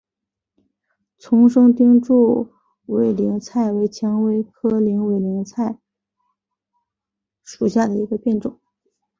丛生钉柱委陵菜为蔷薇科委陵菜属下的一个变种。